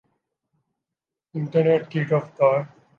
internet کی رفتار